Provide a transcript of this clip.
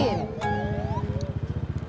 terus bapak yang gantiin